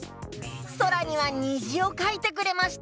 そらにはにじをかいてくれました。